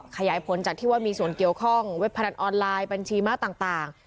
ขยายผลจากที่ว่ามีส่วนเกี่ยวข้องเว็บพนันออนไลน์บัญชีม้าต่าง